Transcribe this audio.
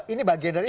ini bagian dari itu